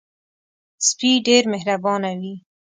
سپي ډېر مهربانه وي.